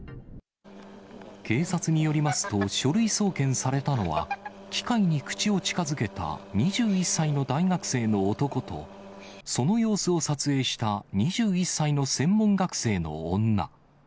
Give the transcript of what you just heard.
警察によりますと、書類送検されたのは、機械に口を近づけた２１歳の大学生の男と、その様子を撮影した２１歳の専門学生の女。